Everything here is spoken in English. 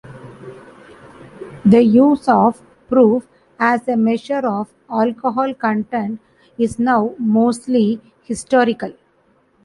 The use of proof as a measure of alcohol content is now mostly historical.